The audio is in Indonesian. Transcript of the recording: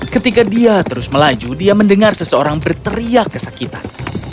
ketika dia terus melaju dia mendengar seseorang berteriak kesakitan